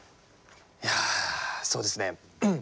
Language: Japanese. いやあそうですね。